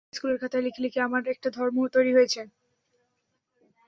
ছোটবেলা থেকে স্কুলের খাতায় লিখে লিখে আমার একটা ধর্ম তৈরি হয়েছে।